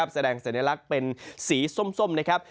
แสดงสัญลักษณ์เป็นสีส้มนะครับ